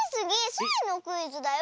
スイのクイズだよ。